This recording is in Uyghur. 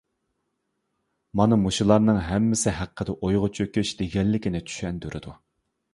مانا مۇشۇلارنىڭ ھەممىسى ھەققىدە ئويغا چۆكۈش دېگەنلىكنى چۈشەندۈرىدۇ.